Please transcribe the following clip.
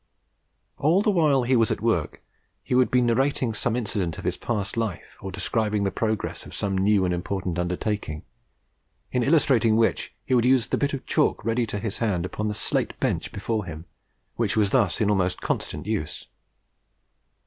"All the while he was at work he would be narrating some incident in his past life, or describing the progress of some new and important undertaking, in illustrating which he would use the bit of chalk ready to his hand upon the slate bench before him, which was thus in almost constant use.